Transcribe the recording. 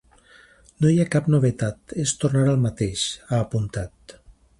“No hi ha cap novetat, és tornar al mateix”, ha apuntat.